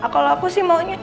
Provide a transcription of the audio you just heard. kalo aku sih maunya